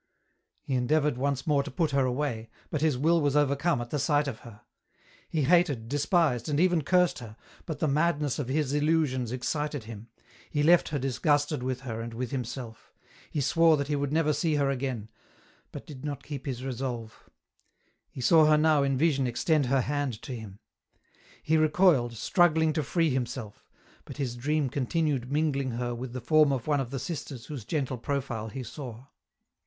He endeavoured once more to put her away, but his will was overcome at the sight of her. He hated, despised, and even cursed her, but the madness of his illusions excited him ; he left her disgusted with her and with himself ; he swore he would never see her again, but did not keep his resolve. He saw her now in vision extend her hand to him. He recoiled, struggling to free himself ; but his dream continued mingling her with the form of one of the sisters whose gentle profile he saw.